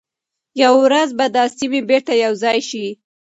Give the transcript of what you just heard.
یوه ورځ به دا سیمي بیرته یو ځای شي.